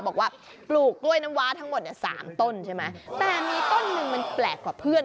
บอกว่าปลูกกล้วยน้ำว้าทั้งหมดเนี่ยสามต้นใช่ไหมแต่มีต้นหนึ่งมันแปลกกว่าเพื่อน